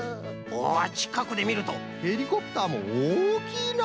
おちかくでみるとヘリコプターもおおきいな。